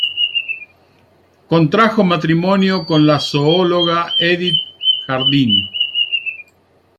Contrajo matrimonio con la zoóloga Edith Hardin.